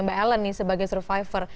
mbak ellen nih sebagai survivor